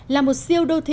là một siêu đô thị